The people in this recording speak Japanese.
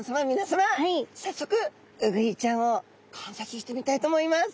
さっそくウグイちゃんを観察してみたいと思います。